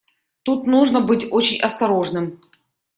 Тут нужно быть очень осторожным.